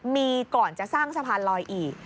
มีก่อนจะสร้างสะพานลอยอีก